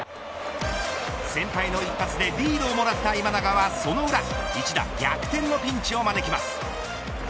先輩の一発でリードをもらった今永はその裏一打逆転のピンチを招きます。